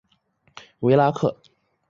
维拉克。